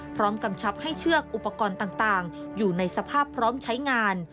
กำชับให้เชือกอุปกรณ์ต่างอยู่ในสภาพพร้อมใช้งาน